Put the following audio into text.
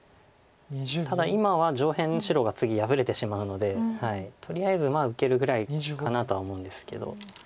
ただ今は上辺白が次破れてしまうのでとりあえず受けるぐらいかなとは思うんですけど。